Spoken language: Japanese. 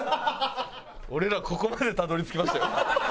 俺らここまでたどり着きましたよ。